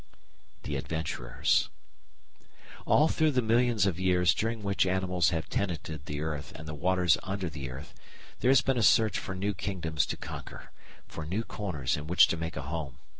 § 3 The Adventurers All through the millions of years during which animals have tenanted the earth and the waters under the earth, there has been a search for new kingdoms to conquer, for new corners in which to make a home.